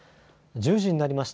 １０時になりました。